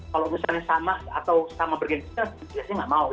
kalau misalnya sama atau sama bergenisnya biasanya gak mau